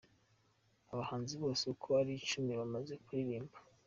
Abahanzi bose uko ari icumi bamaze kuririmba.